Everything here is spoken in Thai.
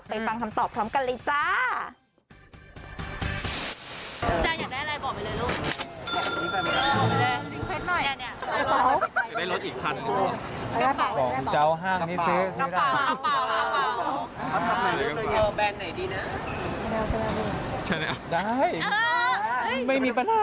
ฟังคำตอบพร้อมกันเลยจ้า